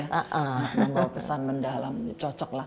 membawa pesan mendalam cocok lah